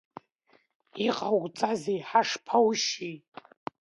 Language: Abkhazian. Иҟауҵазеи, ҳашԥаушьи?